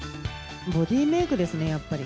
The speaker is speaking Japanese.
ボディーメイクですね、やっぱり。